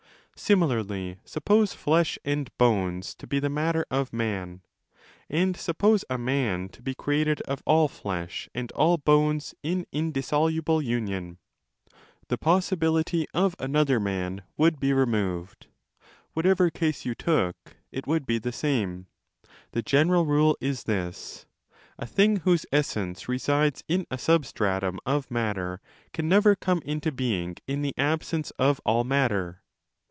Similarly, suppose flesh and bones to be the matter of man, and suppose a man to be created of all flesh and all bones in indissoluble union. The 35 possibility of another man would be removed. Whatever case you took it would be the same. The general rule 278° is this: a thing whose essence resides in a substratum of matter can never come into being in the absence of all matter.